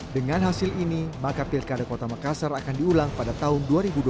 dengan hasil ini maka pilkada kota makassar akan diulang pada tahun dua ribu dua puluh